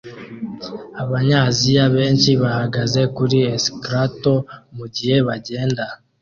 Abanyaziya benshi bahagaze kuri escalator mugihe bagenda